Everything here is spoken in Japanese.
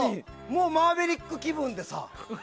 もうマーヴェリック気分でさ。